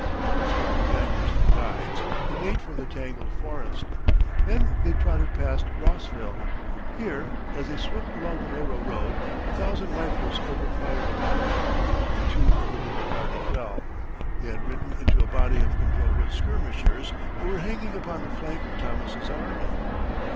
With three companions for guides, he made for the tangled forest. Then they trotted past Rossville. Here, as they swept along the narrow road, a thousand rifles opened fire upon them, and two of the little party fell. They had ridden into a body of Confederate skirmishers who were hanging upon the flank of Thomas's army.